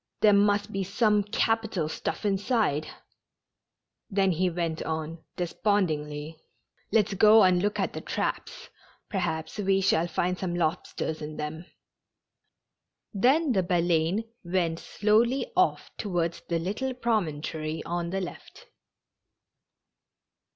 There must be some capital stuff inside it." Then he went on despondingly :" Let's go and look at the traps. Perhaps we shall find some lobsters in them." Then the Baleine went slowly off towards the little promontory on the left.